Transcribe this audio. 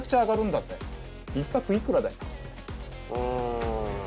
うん。